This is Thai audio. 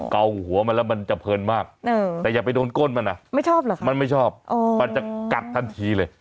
เก่าหัวมันแล้วมันจะเพลินมากแต่อย่าไปโดนก้นมันอ่ะไม่ชอบเหรอคะมันไม่ชอบมันจะกัดทันทีเลย